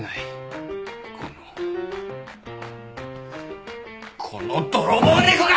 このこの泥棒猫が！